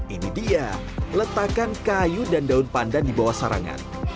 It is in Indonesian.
ini dia letakkan kayu dan daun pandan di bawah sarangan